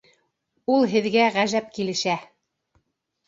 Ул һеҙгә ғәжәп килешә